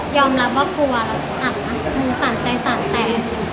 ยอมรับว่าครัวสั่นนะมันสั่นใจสั่นแต่ง